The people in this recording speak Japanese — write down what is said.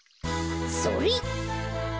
それ！